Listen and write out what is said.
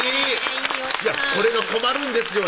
「これが困るんですよ」